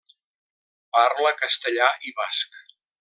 Parla castellà i basc.